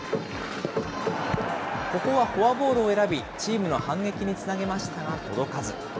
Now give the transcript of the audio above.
ここはフォアボールを選び、チームの反撃につなげましたが届かず。